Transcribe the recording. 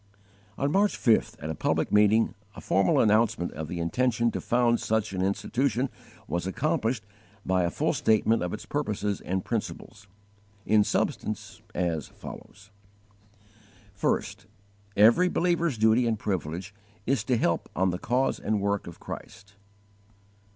On March 5th at a public meeting a formal announcement of the intention to found such an institution was accompanied by a full statement of its purposes and principles,* in substance as follows: * Appendix D. Journal I. 107 113. 1. Every believer's duty and privilege is to help on the cause and work of Christ.